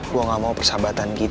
gue gak mau persahabatan gitu